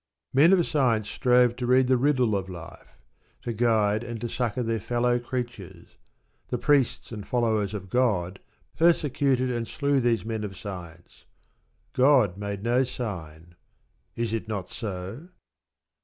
Men of science strove to read the riddle of life; to guide and to succour their fellow creatures. The priests and followers of God persecuted and slew these men of science. God made no sign. Is it not so?